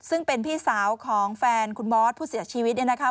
ซึ่งเป็นพี่สาวของแฟนคุณมอสผู้เสียชีวิต